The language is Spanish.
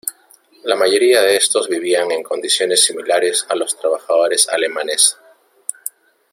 La mayoría de estos vivían en condiciones similares a los trabajadores alemanes.